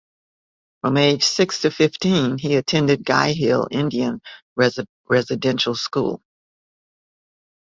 From age six to fifteen, he attended Guy Hill Indian Residential School.